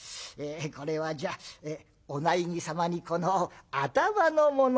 これはじゃあお内儀様にこの頭の物でも」。